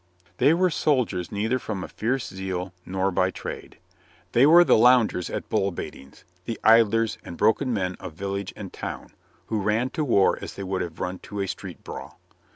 They were soldiers neither from a fierce zeal nor by trade. They were the loungers at bull baitings, the idlers and broken men of village and town, who ran to war as they would have run to a street brawl.